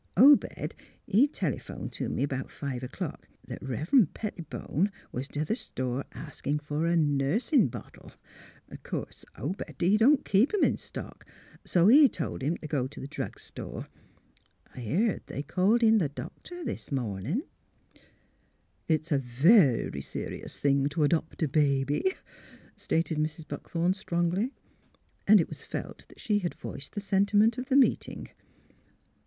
Obed, he telephoned t' me 'bout five o'clock that Rev. Pettibone was t' th' store asking for a nursing bottle. Course, Obed he don't keep 'em in stock, so he told him t' go t' th' drug store. I heerd they called in th' doctor this mornin'." '' It's a ver ry se rious thing to adopt a ba by," stated Mrs. Buckthorn, strongly. And it was felt that she had voiced the sentiment of the meeting.